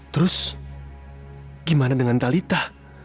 terus gimana dengan talitha